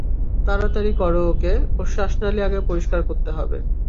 তাড়াতাড়ি করো ওকে, তার শ্বাসনালী আগে পরিষ্কার করতে হবে।